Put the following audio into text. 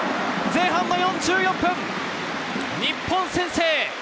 前半４４分、日本先制！